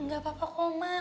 gak apa apa kok emak